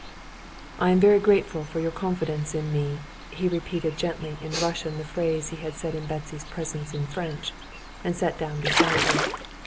"I am very grateful for your confidence in me." He repeated gently in Russian the phrase he had said in Betsy's presence in French, and sat down beside her.